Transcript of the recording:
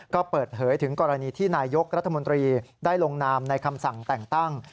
ก็เปิดเผยถึงกรณีที่นายยกรัฐมนตรีได้ลงนามในคำสั่งแต่งตั้ง